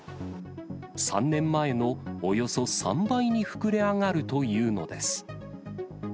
３年前のおよそ３倍に膨れ上がるというのです。